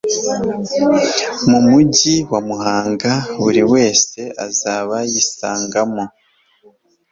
mu mugi wa Muhanga buri wese azaba yisangamo